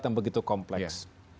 dan begitu kompleks